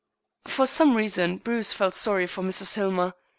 For some reason Bruce felt sorry for Mrs. Hillmer.